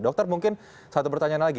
dokter mungkin satu pertanyaan lagi